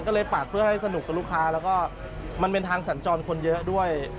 ก็เลยปากเพื่อให้สนุกกับลูกค้าแล้วก็มันเป็นทางสัญจรคนเยอะด้วย